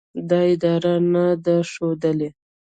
دا اراده نه ده ښودلې